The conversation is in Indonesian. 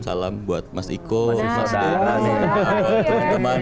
salam buat mas iko mas deras teman teman